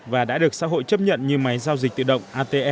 và đã được xã hội chấp nhận như máy giao dịch tự động ate